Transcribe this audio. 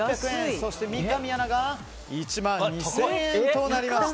そして、三上アナが１万２０００円となりました。